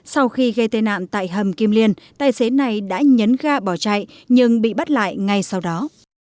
sau khi gây tai nạn tại hầm kim liên tài xế này đã nhấn ga bỏ chạy nhưng bị bắt lại ngay sau đó